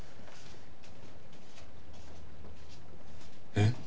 えっ？